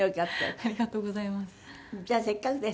ありがとうございます。